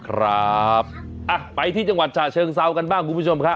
ครับไปที่จังหวัดฉะเชิงเซากันบ้างคุณผู้ชมครับ